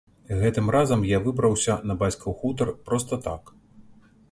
Гэтым разам я выбраўся на бацькаў хутар проста так.